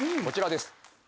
こちらです。